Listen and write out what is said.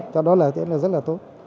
cho đó là rất là tốt